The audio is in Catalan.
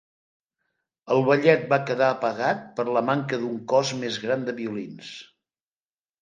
El ballet va quedar apagat per la manca d'un c os més gran de violins.